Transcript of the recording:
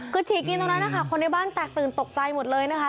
คือฉี่กินตรงนั้นนะคะคนในบ้านแตกตื่นตกใจหมดเลยนะคะ